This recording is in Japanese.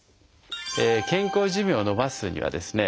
健康寿命を延ばすにはですね